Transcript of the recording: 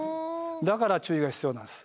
だから注意が必要なんです。